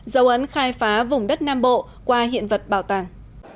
dấu ấn khai phá vùng đất nam bộ qua hiện vật bảo tàng